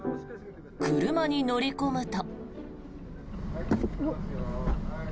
車に乗り込むと。